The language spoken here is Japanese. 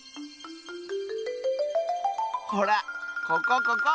ほらここここ！